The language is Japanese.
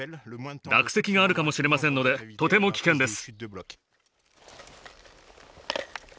落石があるかもしれませんのでとても危険です。